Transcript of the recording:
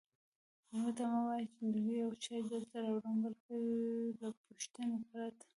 میلمه ته مه وایئ چې ډوډۍ او چای درته راوړم بلکې له پوښتنې پرته